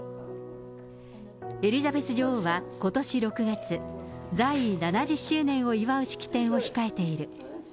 エリザベス女王はことし６月、在位７０周年を祝う式典を控えている。